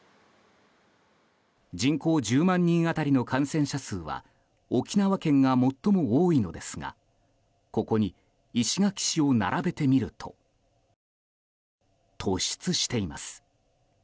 人口１０万人当たりの感染者数は沖縄県が最も多いのですがここに、石垣市を並べてみると突出しています。